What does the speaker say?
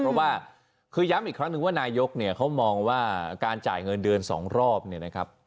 เพราะว่าคือย้ำอีกครั้งหนึ่งว่านายกเนี่ยเขามองว่าการจ่ายเงินเดือน๒รอบเนี่ยนะครับ